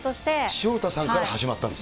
潮田さんから始まったんです。